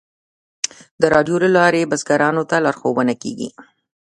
د راډیو له لارې بزګرانو ته لارښوونه کیږي.